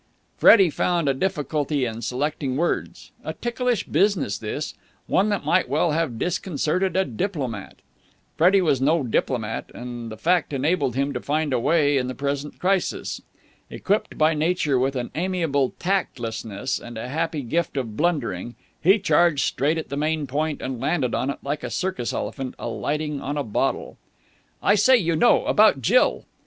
Freddie found a difficulty in selecting words. A ticklish business, this. One that might well have disconcerted a diplomat. Freddie was no diplomat, and the fact enabled him to find a way in the present crisis. Equipped by nature with an amiable tactlessness and a happy gift of blundering, he charged straight at the main point, and landed on it like a circus elephant alighting on a bottle. "I say, you know, about Jill!"